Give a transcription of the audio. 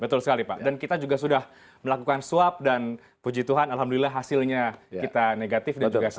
betul sekali pak dan kita juga sudah melakukan swab dan puji tuhan alhamdulillah hasilnya kita negatif dan juga sehat